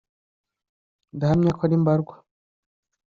ndahamya ko ari mbarwa